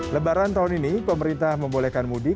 lebaran tahun ini pemerintah membolehkan mudik